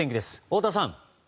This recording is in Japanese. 太田さん！